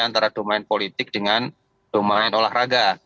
antara domain politik dengan domain olahraga